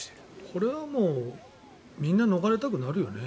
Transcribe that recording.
これはもうみんな逃れたくなるよね。